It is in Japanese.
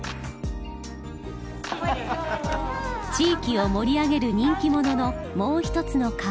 地域を盛り上げる人気者のもう一つの顔。